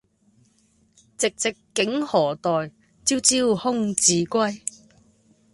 寂寂竟何待，朝朝空自歸。